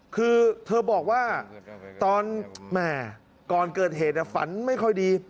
คือเธอบอกว่าตอนแหมก่อนเกิดเหตุฝันไม่ค่อยดี